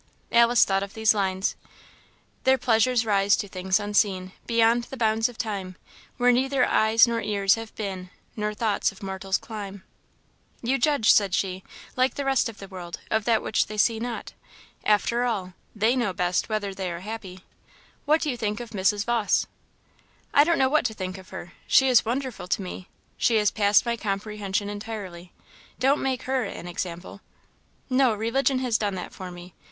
Alice thought of these lines, "Their pleasures rise to things unseen, Beyond the bounds of time: Where neither eyes nor ears have been, Nor thoughts of mortals climb." "You judge," said she, "like the rest of the world, of that which they see not. After all, they know best whether they are happy. What do you think of Mrs. Vawse? "I don't know what to think of her; she is wonderful to me; she is past my comprehension entirely. Don't make her an example." "No, religion has done that for me.